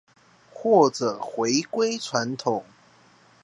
或者回歸傳統